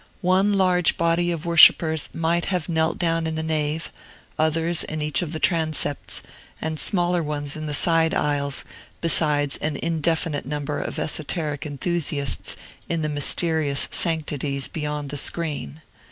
One large body of worshippers might have knelt down in the nave, others in each of the transepts, and smaller ones in the side aisles, besides an indefinite number of esoteric enthusiasts in the mysterious sanctities beyond the screen.